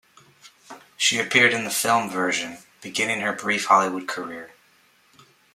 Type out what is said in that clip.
She appeared in the film version, beginning her brief Hollywood career.